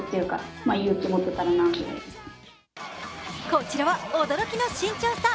こちらは驚きの身長差。